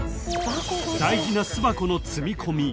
［大事な巣箱の積み込み